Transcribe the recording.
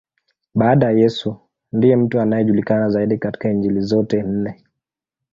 Baada ya Yesu, ndiye mtu anayejulikana zaidi katika Injili zote nne.